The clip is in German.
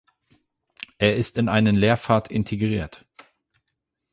Er ist in einen Lehrpfad integriert.